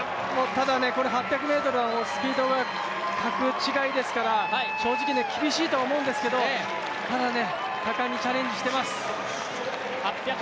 ただ、８００ｍはスピードが格違いですから、正直、厳しいと思うんですけどただ、果敢にチャレンジしてます。